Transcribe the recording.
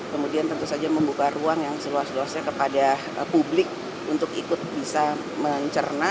kemudian tentu saja membuka ruang yang seluas luasnya kepada publik untuk ikut bisa mencerna